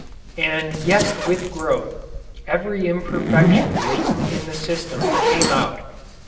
And yet with growth every imperfection latent in the system came out.